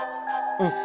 うん。